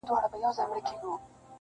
o د گور شپه نه پر کور کېږي٫